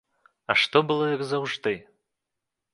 А што было як заўжды?